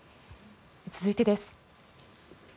続いてです。